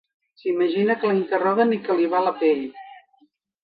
S'imagina que l'interroguen i que li va la pell.